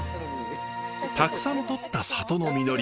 たくさんとった里の実り。